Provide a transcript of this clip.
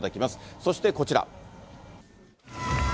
そして、こちら。